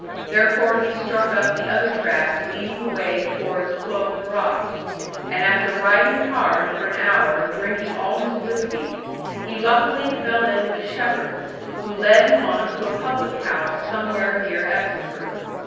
therefore he struck up the other track leading away towards Cloven Rocks, and after riding hard for an hour and drinking all his whisky, he luckily fell in with a shepherd, who led him on to a public house somewhere near Exeford.